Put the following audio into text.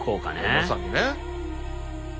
まさにね。